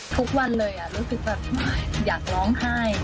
ทุกวันเลยรู้สึกแบบอยากร้องไห้